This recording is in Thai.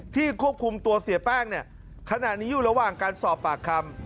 ควบคุมตัวเสียแป้งเนี่ยขณะนี้อยู่ระหว่างการสอบปากคำ